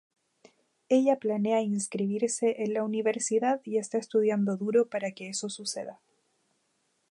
Ella planea inscribirse en la universidad y está estudiando duro para que eso suceda.